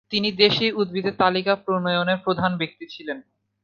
তিনি দেশী উদ্ভিদের তালিকা প্রণয়নের প্রধান ব্যক্তি ছিলেন।